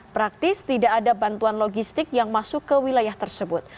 praktis tidak ada bantuan logistik yang masuk ke wilayah tersebut